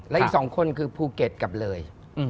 และอีก๒คนคือภูเก็ตกับเลย